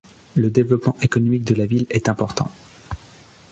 Le développement économique de la ville est important.